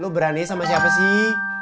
lu berani sama siapa sih